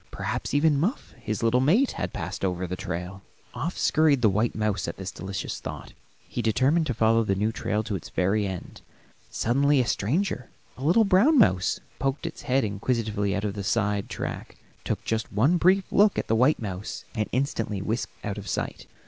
Perhaps even Muff, his little mate, had passed over the trail. Off scurried the white mouse at this delicious thought; he determined to follow the new trail to its very end. Suddenly a stranger, a little brown mouse, poked its head inquisitively out of a side track, took just one brief look at the white mouse, and instantly whisked out of sight.